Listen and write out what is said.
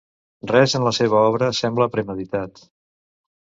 Res en la seva obra sembla premeditat.